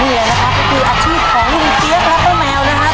นี่แหละนะครับก็คืออาชีพของลูกเปี๊ยกแล้วก็แมวนะครับ